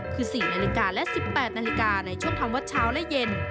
คือ๔นาฬิกาและ๑๘นาฬิกาในช่วงทำวัดเช้าและเย็น